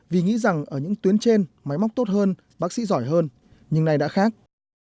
vì nghĩ rằng ở những tuyến trên máy móc tốt hơn bác sĩ giỏi hơn nhưng nay đã khác